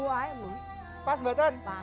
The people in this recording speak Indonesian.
apa mbak putri